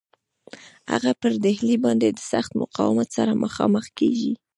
هغه پر ډهلي باندي د سخت مقاومت سره مخامخ کیږي.